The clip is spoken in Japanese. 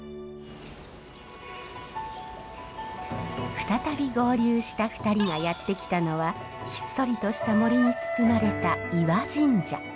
再び合流した２人がやって来たのはひっそりとした森に包まれた伊和神社。